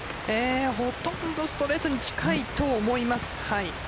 ほとんどストレートに近いと思います。